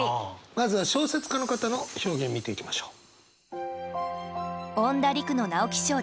まずは小説家の方の表現見ていきましょう。